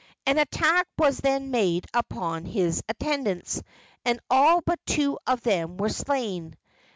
An attack was then made upon his attendants, and all but two of them were slain.